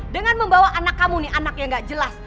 dengan membawa anak kamu nih anak yang gak jelas